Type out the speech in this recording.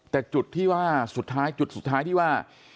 แต่จุดที่ว่าสุดท้ายจุดสุดท้ายที่ว่า